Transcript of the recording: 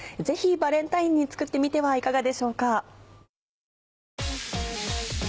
ぜひバレンタインに作ってみてはいかがでしょうか。